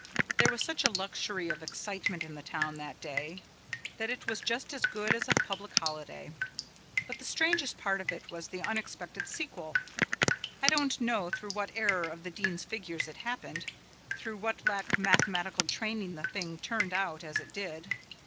There was such a luxury of excitement in the town that day that it was just as good as a public holiday. But the strangest part of it was the unexpected sequel. I don't know through what error of the Dean's figures it happened, through what lack of mathematical training the thing turned out as it did.